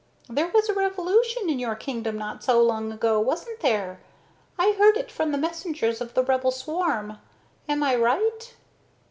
There was a revolution in your kingdom not so long ago, wasn't there? I heard it from the messengers of the rebel swarm. Am I right?"